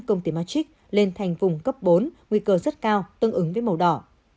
công ty matrick lên thành vùng cấp bốn nguy cơ rất cao tương ứng với màu đỏ